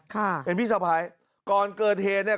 ค่ะเป็นพี่สะพ้ายก่อนเกิดเหตุเนี่ย